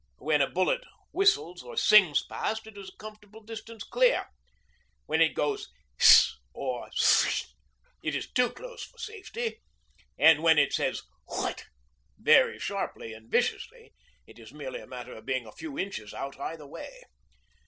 When a bullet whistles or sings past, it is a comfortable distance clear; when it goes 'hiss' or 'swish,' it is too close for safety; and when it says 'whutt' very sharply and viciously, it is merely a matter of being a few inches out either way.